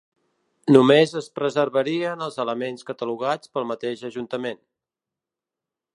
Només es preservarien els elements catalogats pel mateix ajuntament.